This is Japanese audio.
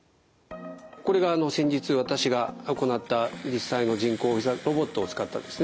これが先日私が行った実際のロボットを使ったですね